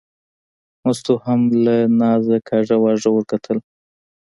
مستو هم له نازه کاږه واږه ور وکتل.